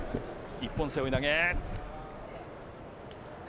一本背負い投げ。